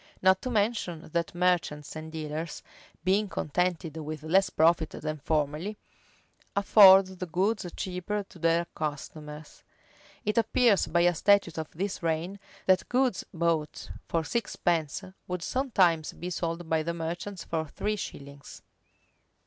Not to mention, that merchants and dealers, being contented with less profit than formerly, afford the goods cheaper to their customers. It appears by a statute of this reign,[v] that goods bought for sixteenpence would sometimes be sold by the merchants for three shillings.